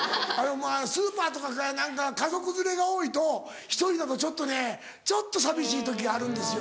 スーパーとか家族連れが多いと１人だとちょっとねちょっと寂しい時あるんですよ。